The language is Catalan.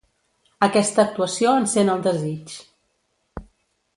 Aquesta actuació encén el desig.